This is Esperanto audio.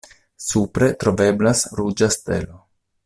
Supre troveblas ruĝa stelo.